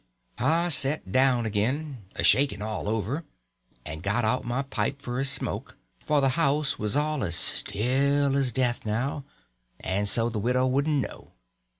I set down again, a shaking all over, and got out my pipe for a smoke; for the house was all as still as death now, and so the widow wouldn't know.